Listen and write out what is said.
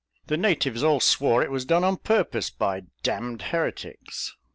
The natives all swore it was done on purpose by d d heretics.